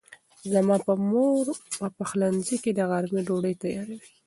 زما مور په پخلنځي کې د غرمې ډوډۍ تیاروي.